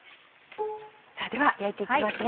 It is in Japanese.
さぁでは焼いていきますね。